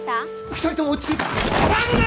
２人とも落ち着いて触るな！